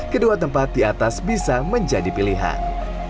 kedua tempat di atas bisa menjadi pilihan